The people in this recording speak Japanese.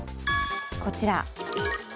こちら。